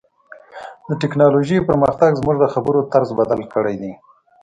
د ټکنالوژۍ پرمختګ زموږ د خبرو طرز بدل کړی دی.